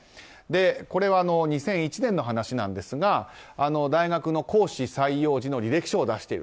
これは、２００１年の話ですが大学の講師採用時の履歴書を出している。